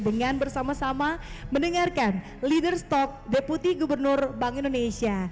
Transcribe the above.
dengan bersama sama mendengarkan leader s talk deputi gubernur bank indonesia